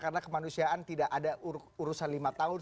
karena kemanusiaan tidak ada urusan lima tahun